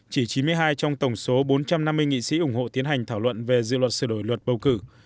chỉ chín mươi hai trong tổng số bốn trăm năm mươi nghị sĩ ủng hộ tiến hành thảo luận về dự luật sửa đổi luật bầu cử